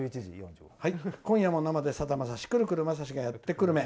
「今夜も生でさだまさし来る来るまさしがやって久留米！」。